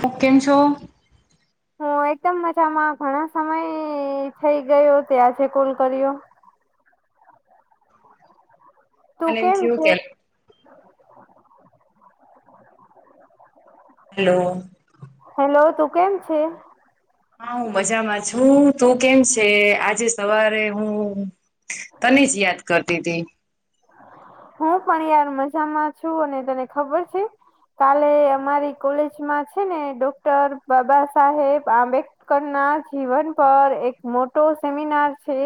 તો કેમ છો? હું, એકદમ મજામાં. ઘણા સમય થઈ ગયો, તે આજે કોલ કર્યો. તું અને એમ થીયુ કે, છે? કેમ? હેલો. હેલો, તું કેમ છે? હા, હું મજામાં છું. તું કેમ છે? આજે સવારે હું તને જ યાદ કરતી હતી. હું પણ યાર મજામાં છું. અને તને ખબર છે? કાલે અમારી કોલેજમાં છે ને, ડોક્ટર બાબા સાહેબ આંબેડર. ના જીવન પર એક મોટો સેમિનાર છે.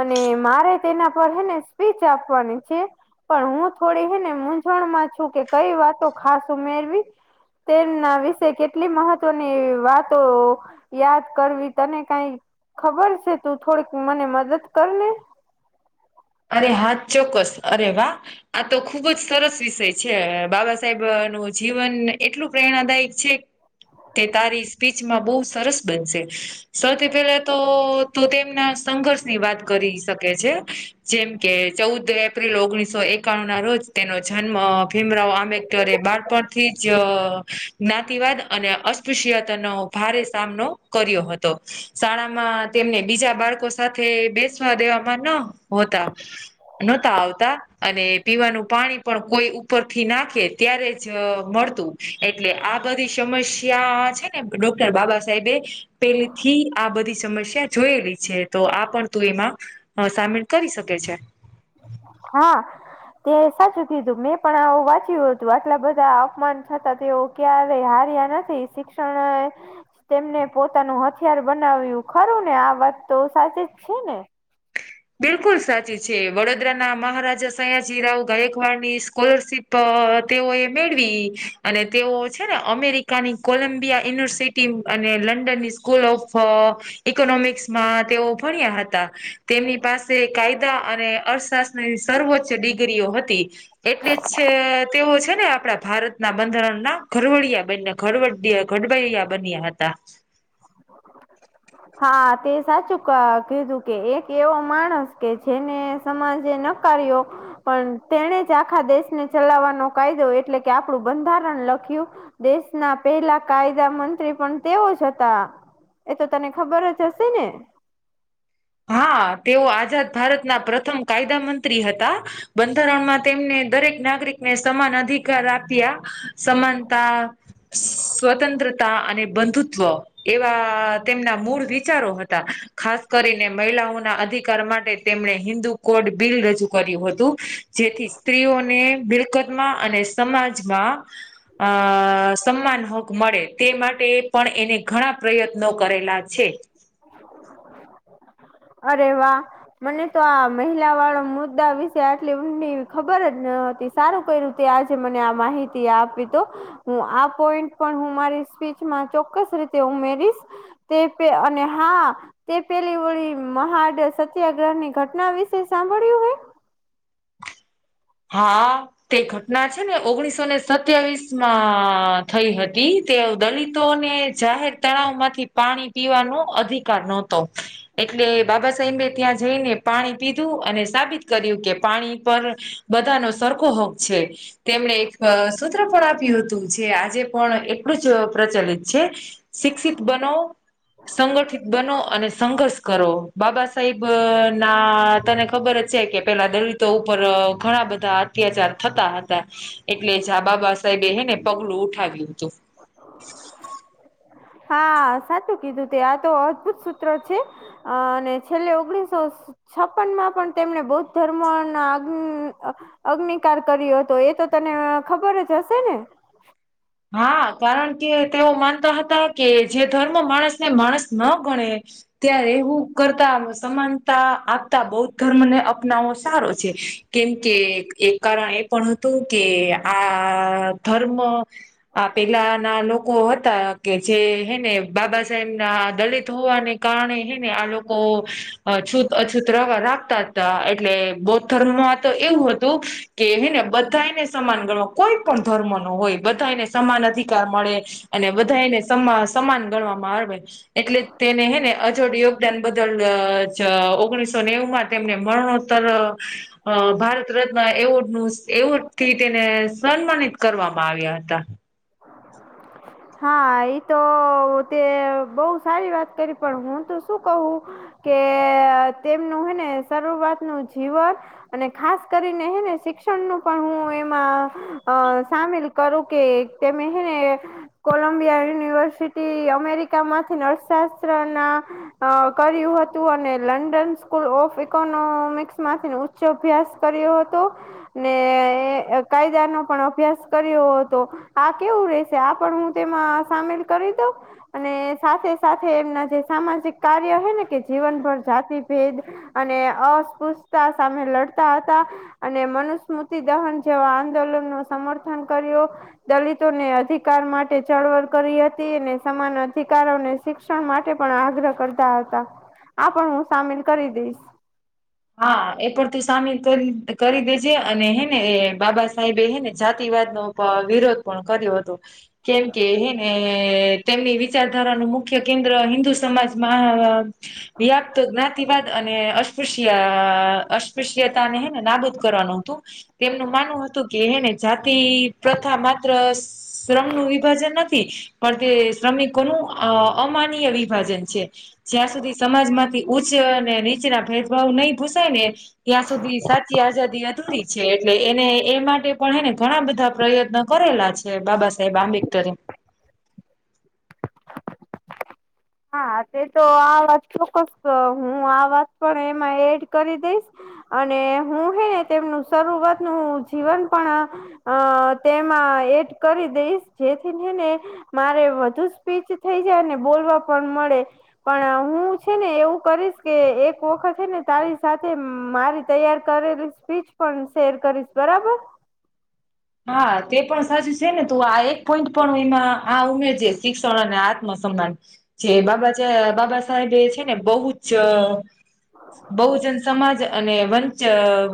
અને મારે તેના પર હે ને, સ્પીચ આપવાની છે. પણ હું થોડી હે ને, મૂઝણમાં છું કે, કંઈ વાતો ખાસ ઉમેરવી. તેમના વિશે કેટલી મહત્વની વાતો. યાદ કરવી, તને કંઈ ખબર છે? તું થોડીક મને મદદ કર ને. અરે હા, ચોક્કસ. અરે વાહ. આ તો ખુબ જ સરસ વિષય છે, બાબા સાહેબ નું જીવન એટલું પ્રેરણાદાયક છે. તે તારી સ્પીચમાં બહુ સરસ બનશે. સૌથી પહેલા તો તેમના સંઘર્ષ ની વાત કરી શકે છે. જેમ કે ચૌદ એપ્રિલ ઓગણીસો એકાણું ના રોજ તેનો જન્મ ભીમરાવ આંબેડકરે બાળપણ થી જ જ્ઞાતિવાદ અને અસ્પૃશ્યતા નો ભારે સામનો. કર્યો હતો, શાળામાં તેમને બીજા બાળકો સાથે બેસવા દેવામાં ન હોતા. નહોતા આવતા, અને પીવાનું પાણી પણ કોઈ ઉપરથી નાખે, ત્યારે જ મળતું. એટલે આ બધી સમસ્યા છે ને, ડોક્ટર બાબા સાહેબે. પેલે થી આ બધી સમસ્યા જોયેલી છે, તો આ પણ તું એમાં સામે. મીલ કરી શકે છે. હા. તે સાચું કીધું. મેં પણ આવું વાંચ્યું હતું, આટલા બધા અપમાન છતાં તેઓ ક્યારે હાર્યા નથી, શિક્ષણ તેમને પોતાનું હથિયાર બનાવ્યું, ખરું ને, આ વાત તો સાચે જ છે ને. બિલકુલ સાચી છે. વડોદરાના મહારાજા સયાજીરાવ ગાયકવાડની સ્કોલરશીપ. તેઓ એ મેળવી, અને તેઓ છે ને, અમેરિકાની કોલંબિયા યુનિવર્સિટી. ટ અને લંડન ની સ્કૂલ ઓફ, ઈકોનોમિક્સ માં તેઓ ભણ્યા હતા. તેમની પાસે કાયદા અને અર્થશાસ્ત્રની સર્વોચ્ચ ડિગ્રીઓ હતી. એટલે જ તેઓ છે ને, આપડા ભારતના બંધારણના ઘરવડિયા બનયા. ઘડવ ઘડભૈયા બન્યા હતા. હા, તે સાચું કીધું કે એક એવો માણસ કે જેને સમાજે નકાર્યો. પણ તેણે જ આખા દેશને ચલાવવાનો કાયદો એટલે કે આપણું બંધારણ લખ્યું. દેશના પેલા કાયદા મંત્રી પણ તેઓ જ હતા. એ તો તને ખબર જ હશે ને? હા તેઓ આઝાદ ભારત ના પ્રથમ કાયદા મંત્રી હતા. બંધારણમાં તેમને દરેક નાગરિકને સમાન અધિકાર આપ્યા, સમાનતા સ્વતંત્રતા અને બંધુત્વ. એવા તેમના મૂળ વિચારો હતા, ખાસ કરીને મહિલાઓના અધિકાર માટે તેમણે હિન્દુ કોડ બિલ રજૂ કર્યું હતું. જેથી સ્ત્રીઓને મિલકતમાં અને સમાજમાં. અ સમાન હો મળે તે માટે પણ એને ઘણા પ્રયત્નો કરેલા છે. અરે વાહ. મને તો આ મહિલા વાળો મુદ્દા વિશે આટલી ઊંડી ખબર જ નતી. સારું કઈ રીતે આજે મને આ માહિતી આપી તો. હું આ પોઈન્ટ પણ હું મારી સ્પીચમાં ચોક્કસ રીતે ઉમેરીશ. તે પે અને હા, તે પેલી વળી મહાડ સત્યાગ્રહ ની ઘટના વિશે સાંભળ્યું હે? હા. તે ઘટના છે ને ઓગણીસોને સત્યાવીસ માં થઈ હતી તે દલિતોને જાહેર તળાવ માંથી પાણી પીવાનો અધિકાર નહતો. એટલે બાબા સાહેબે ત્યાં જઈને પાણી પીધું અને સાબિત કર્યું કે પાણી પર બધાનો સરખો હક છે. તેમણે એક સૂત્ર પણ આપ્યું હતું જે આજે પણ એટલું જ પ્રચલિત છે. શિક્ષિત બનો. સંગઠિત બનો અને સંઘર્ષ કરો, બાબા સાહેબ ના તને ખબર છે કે પેલા દલિતો ઉપર ઘણા બધા અત્યાચાર થતા હતા. એટલે જા બાબા સાહેબે હને પગલું ઉઠાવ્યું હતું. હા સાચું કીધું તે આ તો અદભુત સૂત્ર છે. અ અને છેલ્લે ઓગણીસો છપનમાં પણ તેમણે બૌદ્ધ ધર્મના આન અગ્નિકાર કર્યો હતો એ તો તને ખબર જ હશે ને? હા કારણ કે તેઓ માનતા હતા કે જે ધર્મ માણસને માણસ ના ગણે. ત્યાં એવું કરતા સમાનતા આપતા બૌદ્ધ ધર્મને અપનાવવો સારો છે. કેમ કે એક કારણ એ પણ હતું કે આ ધર્મ આ પેલા ના લોકો હતા કે જે હેને બાબા સાહેબ ના દલિત હોવાને કારણે હને આ લોકો, અછૂત અછૂત રવા રાખતા હતા એટલે બૌદ્ધ ધર્મો તો એવું હતું, કે હે બધાને સમાન ગણવા કોઈ પણ ધર્મ નો હોય બધાને. સમાન અધિકાર મળે, અને બધાને સમા સમાન ગણવામાં આવે. એટલે તેને હે ને અજોડ યોગદાન બદલ ઓગણીસો નેવમાં તેમને મરણો તારા અ ભારત રત્ન એવોર્ડ ન એવોર્ડ થી તેને સન્માનિત કરવામાં આવ્યા હતા [inaudible] હા એ તો તે બહ સારી વાત કરી પણ હું તો શું કહું કે તેમનું હેને શરૂઆત નું જીવન અને ખાસ કરીને હે ને શિક્ષણ નું પણ હું એમાં અ સામેલ કરું કે તેમે હેને કોલંબિયા યુનિવર્સિટી અમેરિકા માંથી નર્થશાસ્ત્ર ના અ કર્યું હતું અને લંડન સ્કૂલ ઓફ ઇકોનોમિક્સ માંથી ઉચ્ચો અભ્યાસ કર્યો હતો ને કાયદા નો પણ અભ્યાસ કર્યો હતો આ કેવું રહેશે આ પણ હું તેમાં સામેલ કરી દઉં અને સાથે સાથે એમના જે સામાજિક કાર્ય હ ને કે જીવનભર જાતિભેદ અને અસ્પૃશતા સામે લડતા હતા અને મનુસ્મૃતિ દહન જેવા આંદોલન નો સમર્થન કર્યો દલિતોને અધિકાર માટે ચળવળ કરી હતી અને સમાન અધિકારોને શિક્ષણ માટે પણ આગ્રહ કરતા હતા આ પણ હું સામેલ કરી દઈશ હા એ પણ તું સામે કરી કરી દેજે અને હેને એ બાબા સાહેબે હેને જાતિવાદ નો વિરોધ પણ કર્યો હતો કેમ કેને તેમની વિચારધારાનું મુખ્ય કેન્દ્ર હિન્દુ સમાજમાં વ્યાપ્ત જ્ઞાતિવાદ અને અસ્પૃશ્ય અયા અસ્પૃશ્યતાનેને નાબૂદ કરવાનું હતું તેમનું માનવું હતું કે એને જાતિ પ્રથા માત્ર શ્રમ નું વિભાજન નથી પણ તે શ્રમિકોનું અ અમાનય વિભાજન છે જ્યાં સુધી સમાજમાંથી ઉચ્ચ અને નીચના ભેદ બ નહીં ભૂસાાય ને ત્યાં સુધી સાચી આઝાદી અધૂરી છે એટલે એને એ માટે પણ એને ઘણા બધા પ્રયત્ન કરેલા છે બાબા સાહેબ આંબેડકરે એ હા તે તો આવાજ ચોક્કસ હું આવાજ પણ એમાં એડ કરી દઈશ અને હું હે ને તેમનું શરૂઆત નું જીવન પણ અ તેમાં એડ કરી દઈશ જેથી હેને મારે વધુ સ્પીચ થઈ જાય ને બોલવા પણ મળે પણ હું છે ને એવું કરીશ કે એક વખત છે ને તારી સાથે મારી તૈયારી કરેલી સ્પીચ પણ શેર કરીશ બરાબર હા તે પણ સાચું છે ને તો આ એક પોઈન્ટ પણ એમાં આ ઉમેર જે શિક્ષણ અને આત્મ સન્માન જે બાબા જાય બાબા સાહેબ એ છે ને બહુ જ બહુજન સમાજ અને વંચ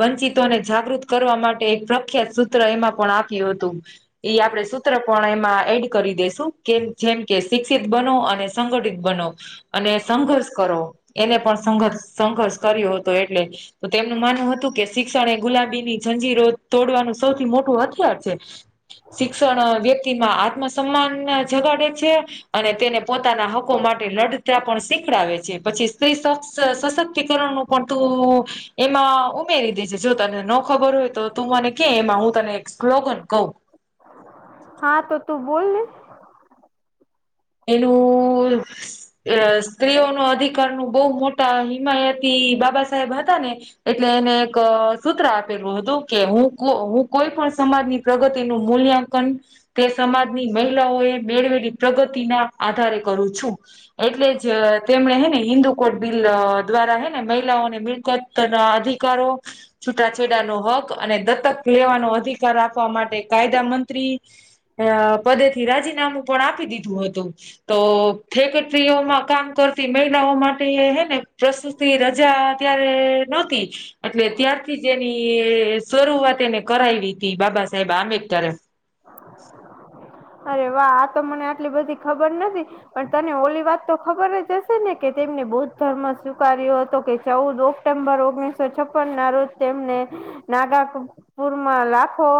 વંચિતોને જાગૃત કરવા માટે એક પ્રખ્યાત સૂત્ર એમાં પણ આપયું હતું એ આપડણે સૂત્ર પણ એમાં એડ કરી દેસું કેમ જેમ કે શિક્ષિત બનો અને સંગઠિત બનો અને સંઘર્ષ કરો એને પણ સંઘર્ષ સંઘર્ષ કર્યો હતો એટલે તો તેમનું માનવ હતું કે શિક્ષણ એ ગુલાબી ની જંજીરો તોડવાનું સૌથી મોટું હતું છે શિક્ષણ વ્યક્તિ માં આત્મ સન્માન જગાડે છે અને તેને પોતાના હકો માટે લડતા પણ શીખડાવે છે પછી સ્ત્રી સશક્તિકરણનું પણ તું એમાં ઉમેરી દે છે જો તને ન ખબર હોય તો તું મને કે એમાં હું તને સ્લોગન કઉ. હા તો તું બોલને. એનુંસસસ અઅઅ સ્ત્રીઓ નો અધિકાર નું બહુ મોટા હિમાયતી બાબા સાહેબ હતા ને? એટલે એને એક અઅઅ સૂત્ર આપેલું હતું કે હું કો હું કોઈ પણ સમાજની પ્રગતિ નું મૂલ્યાંકન તે સમાજની મહિલાઓ એ મેળવેલી પ્રગતિ. તીનાં આધારે કરું છું. એટલે જ તેમણે હેને હિન્દુ કોડ બિલ અઅઅ દ્વારા હે ને મહિલાઓને મિલકત તના અધિકારો. છૂટાછેડા નો હક અને દત્તક લેવાનો અધિકાર આપવા માટે કાયદા મંત્રી અ પદેથી રાજીનામું પણ આપી દીધું હતું. તો ફેક્ટરીઓમાં કામ કરતી મહિલાઓ માટે હે ને પ્ર. [unintelligible] તે રજાઆ ત્યારેએએ નહોતી. એટલે ત્યારથી જ એની ઈઈ શરૂઆત એને કરાવી હતી બાબા સાહેબ આંબેડકરે. અરે વાહ. આ તો મને આટલી બધી ખબર નથી. પણ તને ઓલી વાત તો ખબર જ હશે ને કે તેમને બૌદ્ધ ધર્મ સ્વીકાર્યો હતો કે ચૌદ ઓ સપ્ટેમ્બર ઓગણીસો છપ્પન ના રોજ તેમને [unintelligible] નાગાપુરમાં લાખો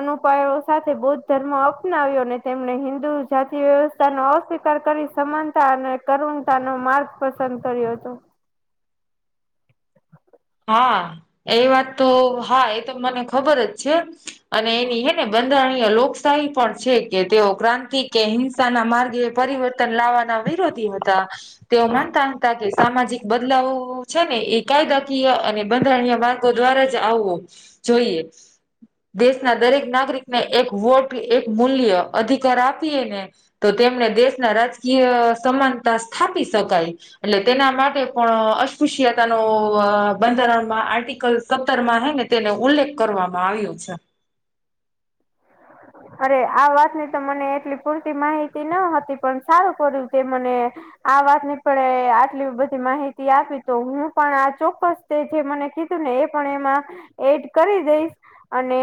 અનુપાયો સાથે બૌદ્ધ ધર્મ અપનાવ્યો અને તેમણે હિન્દુ જાતિ વ્યવસ્થાનો અસ્વીકાર કરી સમાનતા અને કરુણતા નો માર્ગ પસંદ કર્યો હતો. હા. એ વાત તો હા એ તો મને ખબર જ છે. અને બી હેને [unintelligible] [unintelligible] લોકશાહી પણ છે, કે તેઓ ક્રાંતિ કે હિંસાના માર્ગે પરિવર્તન લાવવાના વિરોધી હતા. તેઓ માનતા હતા કે સામાજિક બદલાવવવ છે ને એ કાયદા [unintelligible] અને બંધારણીય માર્ગો દ્વારા જ આવવો... જોઈએ. દેશના દરેક નાગરિકને એક [unintelligible] એક મૂલ્ય અધિકાર આપીએને તો તેમને દેશના રાજકીય સમાનતા સ્થાપી શકાય. એટલે તેના માટે પણ અસ્પૃશ્યતા નોઓઓ બ બંધારણમાં આર્ટિકલ સત્તર માં હેને તેને ઉલ્લેખ કરવામાં આવ્યો છે. અરે આ વાતની તો મને એટલી પૂરતી માહિતી ન હતી, પણ સારું કર્યું તે મને આ વાતની પણે આટલી બધી માહિતી આપી તો હું પણ આ ચોક્કસ તે જે મને કીધું ને એ પણ એમાં ઍ એડ કરી દઈશ. અને....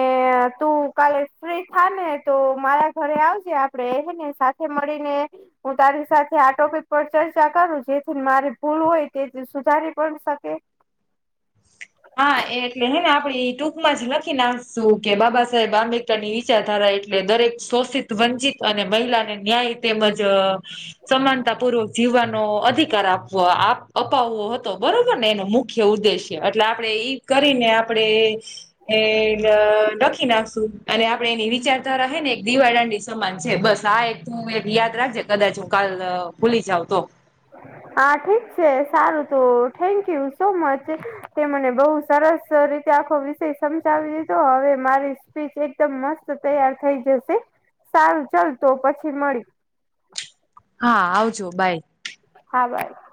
તું કાલે ફ્રી હા ને તો મારા ઘરે આવજે આપડે હે ને સાથે મળીને.... હું તારી સાથે આ ટોપિક પર ચર્ચા કરું જેથી મારી ભૂલ હોય તેથી સુધારી પણ શકે. હા એટલે હેને આપડે ટૂંકમાં જ લખી નાખશું કે બાબા સાહેબ આંબેડકર ની વિચારધારા એટલે દરેક શોષિત, વંચિત અને મહિલાને ન્યાય તેમજ... સમાનતા પૂર્વક જીવવાનો અધિકાર આપવો આપ અપાવવો હતો બરોબર ને એનો મુખ ય ઉદેશ્ય. [unintelligible] એટલે આપડે [unintelligible] કરીને આપડે.... એ... લખી નાખશું. અને આપડે એની વિચારધારા હે ને એક દીવાદાંડી સમાન છે. બસ આ એક તું એક યાદ રાખજે કદાચ હું કાલ..... ભૂલી જાવ તો હા ઠીક છે. સારું તો થેન્ક યુ સો મચ. તે મને બહુ સરસ રીતે આખો વિષય સમજાવી દીધો. હવે મારી [unintelligible] એકદમ મસ્ત તૈયાર થઈ જશે. સારું ચાલ તો પછી મળ્યું. હા આવજો બાય. [unintelligible]